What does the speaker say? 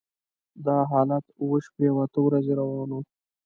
دا حالت اوه شپې او اته ورځې روان و.